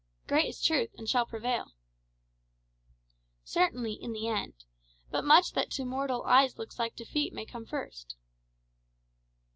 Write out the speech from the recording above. "Great is truth, and shall prevail." "Certainly, in the end. But much that to mortal eyes looks like defeat may come first."